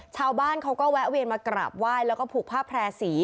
ชาวบ้านเขาก็แวะเวียนมากราบไหว้แล้วก็ผูกผ้าแพร่สี